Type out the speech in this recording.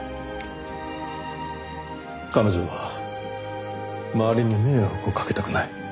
彼女は周りに迷惑をかけたくない。